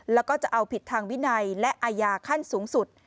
แล้วก็จะเอาผิดทางวินัยและอาญาขั้นสูงสุด